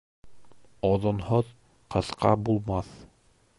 Оҙонһоҙ ҡыҫҡа булмаҫ.